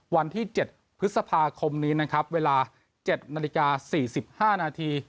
วันที่๗พฤษภาคมนี้นะครับเวลา๗นาฬิกา๔๕นาที